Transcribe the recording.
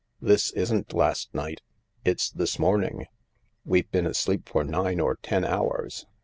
This isn't last night. It's this morning. We've been asleep for mne or ten hours.